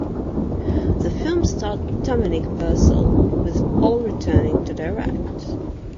The film starred Dominic Purcell, with Boll returning to direct.